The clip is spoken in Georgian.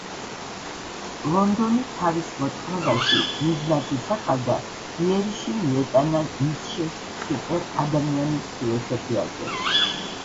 ლონდონი თავის მოთხრობაში მიზნად ისახავდა იერიში მიეტანა ნიცშეს სუპერ ადამიანის ფილოსოფიაზე.